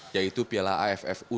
yaitu piala aff u delapan belas